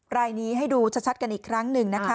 รายนี้ให้ดูชัดกันอีกครั้งหนึ่งนะคะ